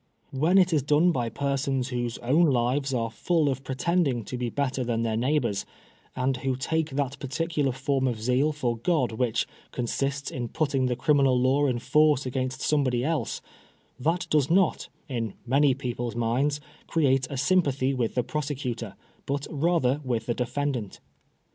When it is done by persons whose own lives are fidl of pretending to be better than their neighbors, and who take that particular form of zeal for Grod which consists in putting the criminal law in force against some body else — ^that does not, in many people's minds, create a sym pathy with the prosecutor, but rather with the defendant.